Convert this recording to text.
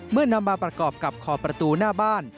นำมาประกอบกับขอบประตูหน้าบ้าน